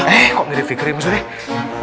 eh kok mirip fikri maksudnya